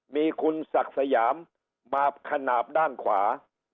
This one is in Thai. มีคุณศักดิ์สยามมาขนาดด้านขวา